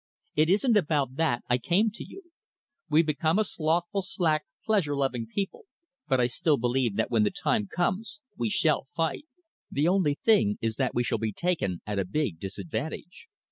It isn't about that I came to you. We've become a slothful, slack, pleasure loving people, but I still believe that when the time comes we shall fight. The only thing is that we shall be taken at a big disadvantage.